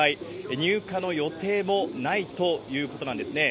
入荷の予定もないということなんですね。